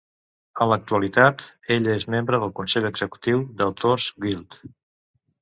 En l'actualitat, ella és membre del consell executiu d'Authors Guild.